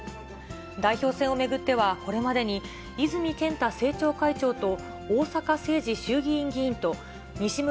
代表選を巡ってはこれまでに泉健太政調会長と、逢坂誠二衆議院議以上、